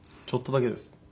ちょっとだけです。